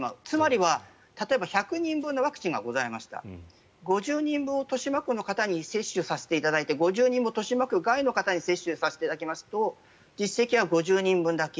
つまりは例えば１００人分のワクチンがございました５０人分を豊島区の方に接種させていただいて５０人分を豊島区外の方に接種させていただきますと実績は５０人分だけ。